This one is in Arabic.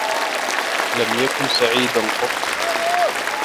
لم يكن سعيدا قطّ.